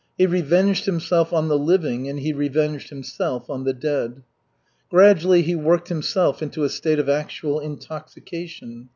He revenged himself on the living and he revenged himself on the dead. Gradually he worked himself into a state of actual intoxication.